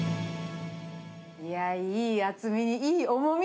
いや、いい厚みにいい重み。